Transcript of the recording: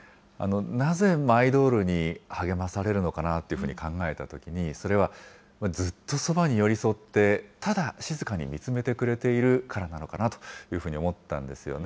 なぜマイドールに励まされるのかなっていうふうに考えたときに、それはずっとそばに寄り添って、ただ静かに見つめてくれているからなのかなって思ったんですよね。